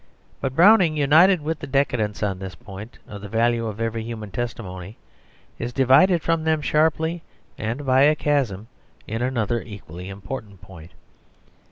But Browning, united with the decadents on this point, of the value of every human testimony, is divided from them sharply and by a chasm in another equally important point.